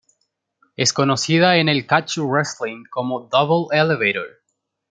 Es conocida en el catch wrestling como "double elevator".